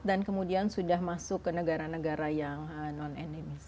dan kemudian sudah masuk ke negara negara yang non endemis